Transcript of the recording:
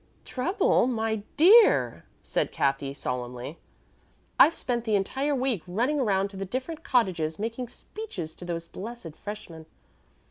"Trouble! My dear," said Cathy, solemnly. "I've spent the entire week running around to the different cottages making speeches to those blessed freshmen.